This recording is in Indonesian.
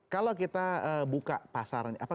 kalau kita buka pasaran